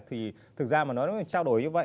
thì thực ra mà nó trao đổi như vậy